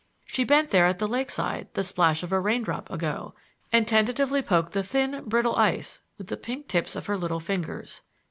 She bent there at the lakeside the splash of a raindrop ago and tentatively poked the thin, brittle ice with the pink tips of her little fingers.